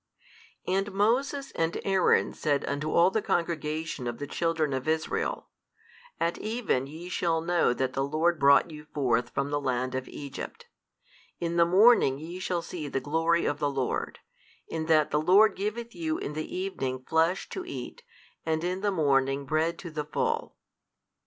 And Moses and Aaron said unto all the congregation of the children of Israel, At even ye shall know that the Lord brought you forth from the land of Egypt, in the morning |368 ye shall see the glory of the Lord, in that the Lord giveth you in the evening flesh to eat and in the morning bread to the full.